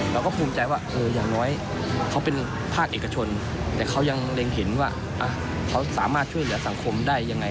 เราก็ภูมิใจว่าอย่างน้อยเขาเป็นภาคเอกชนแต่เขายังเล็งเห็นว่าเขาสามารถช่วยเหลือสังคมได้ยังไง